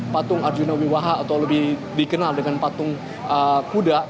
patung arjuna wiwaha atau lebih dikenal dengan patung kuda